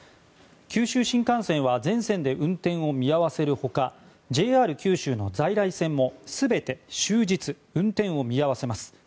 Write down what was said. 九州新幹線は全線で運転を見合わせる他ＪＲ九州の在来線も全て終日運転を見合わせます。